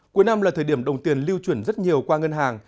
cuối năm là thời điểm đồng tiền lưu chuyển rất nhiều qua ngân hàng